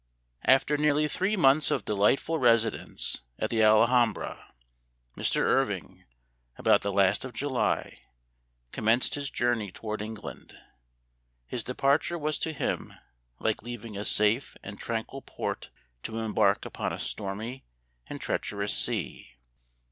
AFTER nearly three months of delightful residence at the Alhambra, Mr. Irving, about the last of July, commenced his journey toward England. His departure was to him like leaving a safe and tranquil port to embark upon a stormy and treacherous sea.